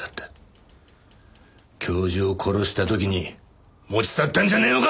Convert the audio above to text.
教授を殺した時に持ち去ったんじゃねえのか？